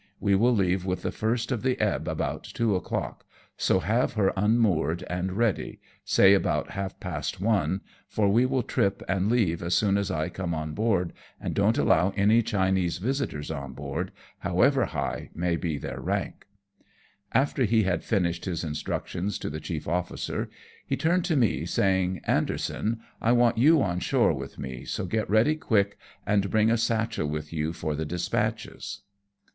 We will leave with the first of the ebb about two o'clock, so have her unmoored and ready, say about half past one, for we I02 AMONG TYPHOONS AND PIRATE CRAFT. will trip and leave as soon as I come on board, and don't allow any Chinese visitors on board, however high may be their rank." After he had finished his instructions to the chief officer, he turned to me, saying, " Anderson, I want you on shore with me, so get ready quick and bring a satchel with you for the dispatches."